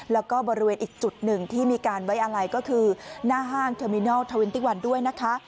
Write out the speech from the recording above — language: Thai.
แล้วก็บริเวณอีกจุดหนึ่งที่มีการไว้อะไรก็คือหน้าห้างเทอร์มินัลทวินตี้วันด้วยนะคะ